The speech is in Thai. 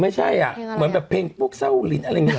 ไม่ใช่อ่ะเหมือนแบบเพลงพวกเศร้าลินอะไรอย่างนี้